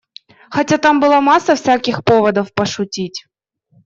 Хотя там была масса всяких поводов пошутить.